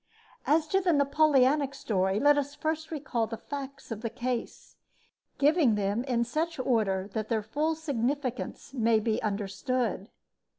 As to the Napoleonic story, let us first recall the facts of the case, giving them in such order that their full significance may be understood.